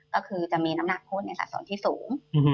ก็คือจะมีน้ำหนักโทษในสะสมที่สูง